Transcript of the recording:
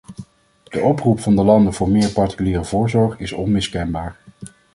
De oproep van de landen voor meer particuliere voorzorg is onmiskenbaar.